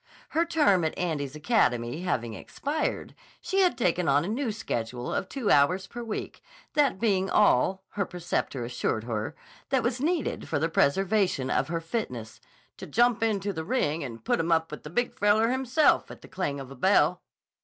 Her term at Andy's academy having expired, she had taken on a new schedule of two hours per week: that being all, her preceptor assured her, that was needed for the preservation of her fitness "to jump in the ring and put 'em up with the Big Feller himself at the clang of the bell."